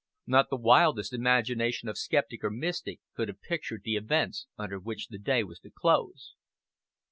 Not the wildest imagination of skeptic or mystic could have pictured the events under which the day was to close.